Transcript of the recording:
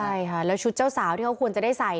ใช่ค่ะแล้วชุดเจ้าสาวที่เขาควรจะได้ใส่